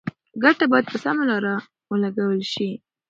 ګټه باید په سمه لاره ولګول شي.